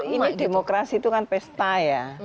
ini loh ini demokrasi itu kan pesta ya